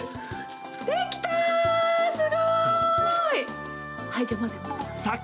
できた、すごい！